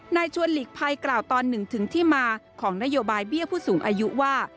นายชวนหลีกภัยกล่าวตอนหนึ่งถึงที่มาของนโยบายเบี้ยผู้สูงอายุว่า